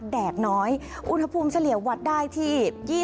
แดดน้อยอุณหภูมิเฉลี่ยววัดได้ที่